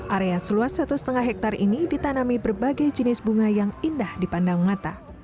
area seluas satu lima hektare ini ditanami berbagai jenis bunga yang indah dipandang mata